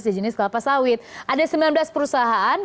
sejenis kelapa sawit ada sembilan belas perusahaan